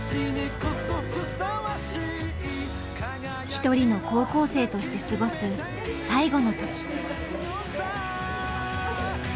一人の高校生として過ごす最後の時。